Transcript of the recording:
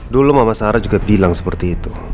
dulu mama sarah juga bilang seperti itu